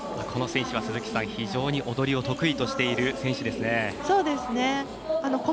この選手は、非常に踊りを得意としている選手ですね。